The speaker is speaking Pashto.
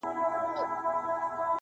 دصدقېجاريېزوردیتردېحدهپورې.